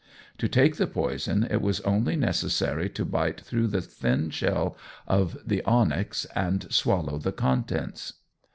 To take the poison, it was only necessary to bite through the thin shell of the onyx and swallow the contents.